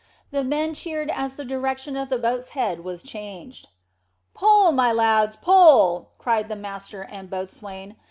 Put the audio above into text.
The men cheered as the direction of the boats' heads was changed. "Pull, my lads, pull!" cried master and boatswain.